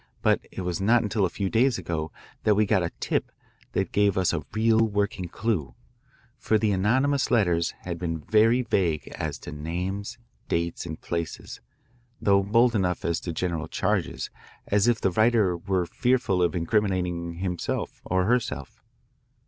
But it was not until a few days ago that we got a tip that gave us a real working clue, for the anonymous letters had been very vague as to names, dates, and places, though bold enough as to general charges, as if the writer were fearful of incriminating herself or himself.